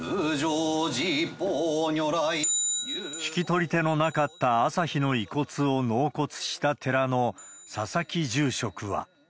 引き取り手のなかった朝日の遺骨を納骨した寺の、佐々木住職は。